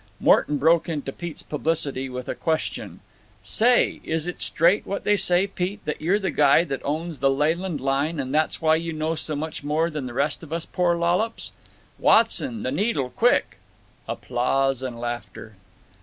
Morton broke into Pete's publicity with the question, "Say, is it straight what they say, Pete, that you're the guy that owns the Leyland Line and that's why you know so much more than the rest of us poor lollops? Watson, the needle, quick!" [Applause and laughter.